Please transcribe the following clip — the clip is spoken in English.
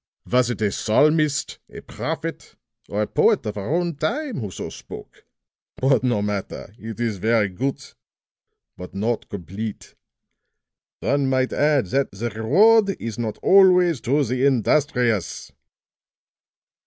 "Was it a psalmist, a prophet or a poet of our own time who so spoke? But no matter, it is very good but not complete. One might add 'That the reward is not always to the industrious.'"